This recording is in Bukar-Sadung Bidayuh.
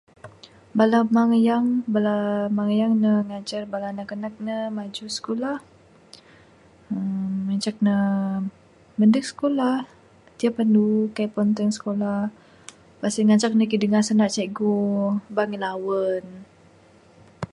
Bala mayang bala mayang ne ngajar bala anak anak ne maju sikulah uhh ngancak ne mandeg sikulah tiap anu kaik puan ponteng skolah. Pas en ngancak ne kidingah sanda cikgu aba ngilawen